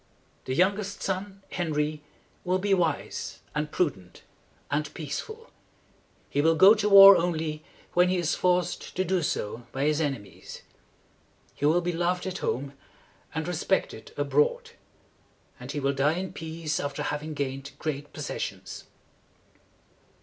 "The youngest son, Henry, will be wise and prudent and peaceful. He will go to war only when he is forced to do so by his enemies. He will be loved at home, and re spect ed abroad; and he will die in peace after having gained great pos ses sions."